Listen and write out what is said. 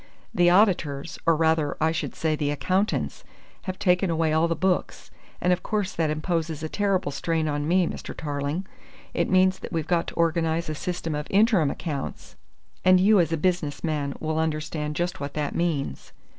"The auditors or rather I should say the accountants have taken away all the books, and of course that imposes a terrible strain on me, Mr. Tarling. It means that we've got to organise a system of interim accounts, and you as a business man will understand just what that means."